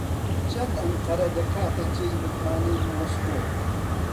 چەند ئەنقەرە دەکاتە جێی متمانەی مۆسکۆ؟